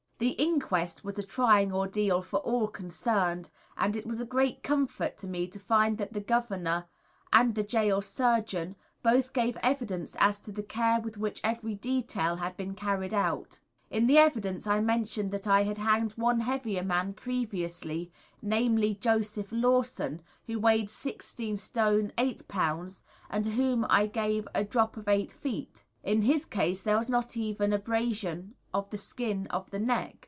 The inquest was a trying ordeal for all concerned, and it was a great comfort to me to find that the Governor and the Gaol Surgeon both gave evidence as to the care with which every detail had been carried out. In the evidence I mentioned that I had hanged one heavier man previously, namely, Joseph Lawson, who weighed 16 stones 8 lbs., and to whom I gave a drop of 8 feet. In his case there was not even abrasion of the skin of the neck.